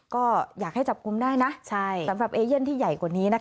ก็อยากให้จับกลุ่มได้นะสำหรับเอเย่นที่ใหญ่กว่านี้นะคะ